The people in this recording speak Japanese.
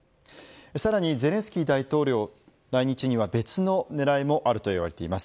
さらにゼレンスキー大統領来日には別の狙いもあると言われています。